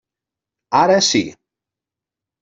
Ara sí.